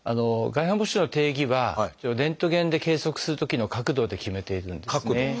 外反母趾の定義はレントゲンで計測するときの角度で決めているんですね。